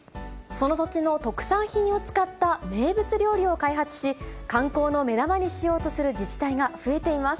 その土地の特産品を使った名物料理を開発し、観光の目玉にしようとする自治体が増えています。